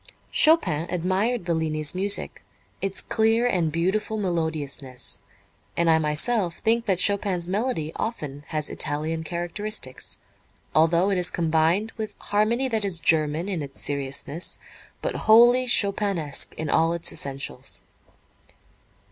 Chopin admired Bellini's music, its clear and beautiful melodiousness, and I myself think that Chopin's melody often has Italian characteristics, although it is combined with harmony that is German in its seriousness, but wholly Chopinesque in all its essentials.